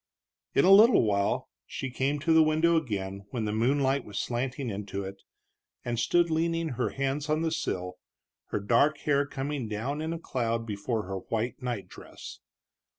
In a little while she came to the window again, when the moonlight was slanting into it, and stood leaning her hands on the sill, her dark hair coming down in a cloud over her white night dress.